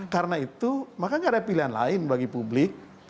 karena itu maka gak ada pilihan lain bagi publik